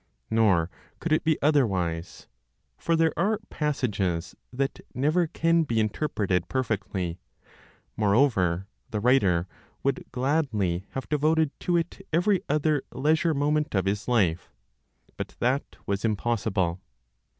Nor could it be otherwise; for there are passages that never can be interpreted perfectly; moreover, the writer would gladly have devoted to it every other leisure moment of his life but that was impossible.